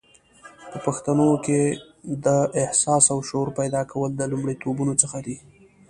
په پښتنو کې د احساس او شعور پیدا کول د لومړیتوبونو څخه دی